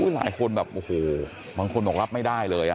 หลายคนแบบโอ้โหบางคนบอกรับไม่ได้เลย